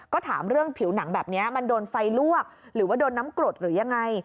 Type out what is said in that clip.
ก็ถามเรื่องผิวหนังแบบนี้มันโดนไฟลวกหรือว่าโดนน้ำกรดหรือยังไง